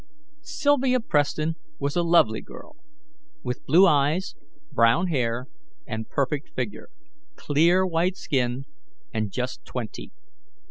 Sylvia Preston was a lovely girl, with blue eyes, brown hair, and perfect figure, clear white skin, and just twenty.